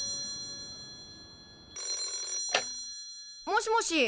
☎もしもし。